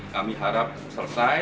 kami harap selesai